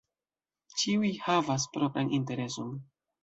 Ĉiuj havas propran intereson.